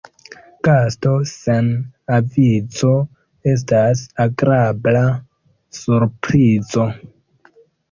Gasto sen avizo estas agrabla surprizo.